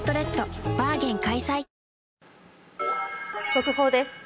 速報です。